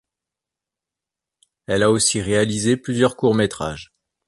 Elle a aussi réalisé plusieurs courts métrages.